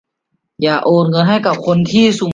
อย่าโอนเงินให้กับคนที่สุ่มทางออนไลน์